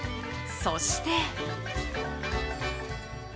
そして。